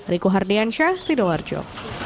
riku hardiansyah sidoarjo